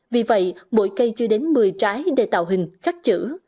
vì vậy mỗi cây chưa đến một mươi trái để tạo hình khắc chữ